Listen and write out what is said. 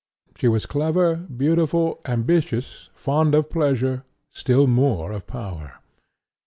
She was clever, beautiful, ambitious, fond of pleasure, still more of power.